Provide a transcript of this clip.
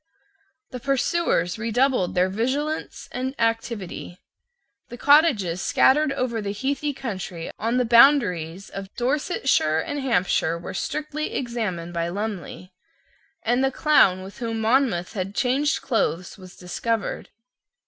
The pursuers redoubled their vigilance and activity. The cottages scattered over the heathy country on the boundaries of Dorsetshire and Hampshire were strictly examined by Lumley; and the clown with whom Monmouth had changed clothes was discovered.